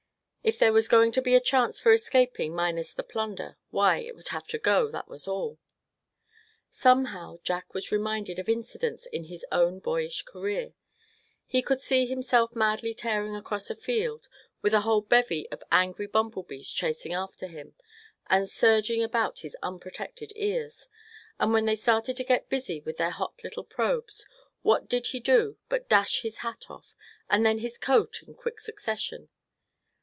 If there was going to be a chance for escaping minus the plunder, why, it would have to go, that was all. Somehow Jack was reminded of incidents in his own boyish career. He could see himself madly tearing across a field, with a whole bevy of angry bumble bees chasing after him, and surging about his unprotected ears; and when they started to get busy with their hot little probes, what did he do but dash his hat off, and then his coat in quick succession.